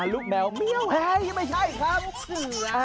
ลูกแมวเมียวหายไม่ใช่ครับลูกเสือ